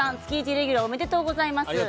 レギュラーおめでとうございます。